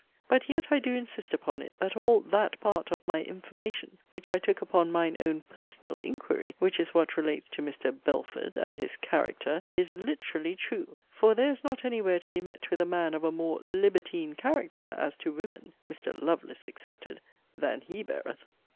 But yet I do insist upon it, that all 'that part' of my 'information,' which I took upon mine own 'personal inquiry,' which is what relates to Mr. 'Belford' and 'his character,' is 'literally true'; for there is not any where to be met with a man of a more 'libertine character' as to 'women,' Mr. 'Lovelace' excepted, than he beareth.